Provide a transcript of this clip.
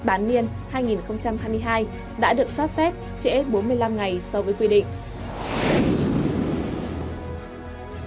bán niên hai nghìn hai mươi hai đã được xót xét bốn mươi năm ngày so với quy định